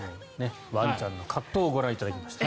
ワンちゃんの葛藤をご覧いただきました。